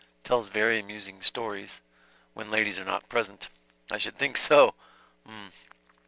Tells very amusing stories ... when ladies are not present ... I should think so ... .'m